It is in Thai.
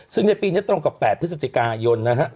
ซึ่งในปีนี้ตรงกับ๘พฤศจิกายนนะฮะ